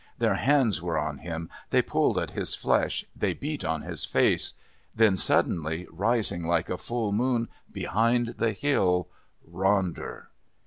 Their hands were on him, they pulled at his flesh, they beat on his face then, suddenly, rising like a full moon behind the hill Ronder!